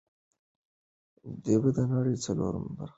دوی به د نړۍ څلورمه برخه هېر کوي.